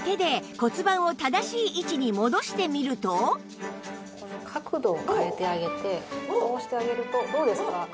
そこでこの角度を変えてあげてこうしてあげるとどうですか？